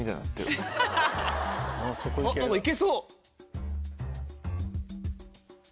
あっ何かいけそう！